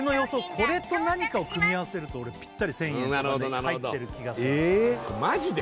これと何かを組み合わせるとぴったり１０００円とかに入ってる気がするマジで？